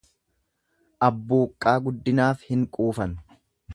Abbuuqqaa guddinaaf hin quufan.